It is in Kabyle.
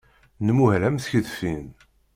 Nmuhel am tkeḍfin.